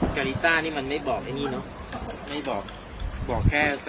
การีต้านี่มันไม่บอกไอ้นี่เนอะไม่บอกบอกแค่